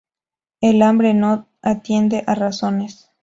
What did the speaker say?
El hambre no atiende a razones